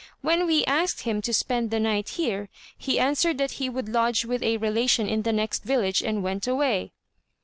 When we asked him to spend the night here, he answered that he would lodge with a relation in the next village, and went away."